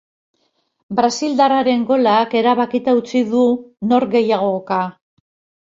Brasildarraren golak erabakita utzi du norgehiagoka.